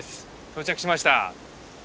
到着しました。